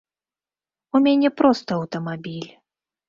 У мяне просты аўтамабіль.